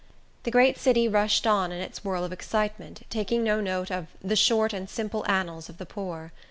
The great city rushed on in its whirl of excitement, taking no note of the "short and simple annals of the poor."